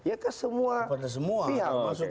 iya ke semua pihak